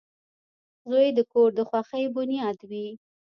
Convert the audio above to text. • زوی د کور د خوښۍ بنیاد وي.